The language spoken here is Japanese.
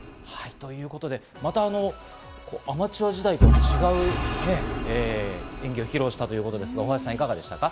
またアマチュア時代とは違う演技を披露したということですが、大橋さん、いかがでしたか？